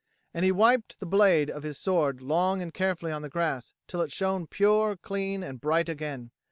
And he wiped the blade of his sword long and carefully on the grass till it shone pure, clean, and bright again.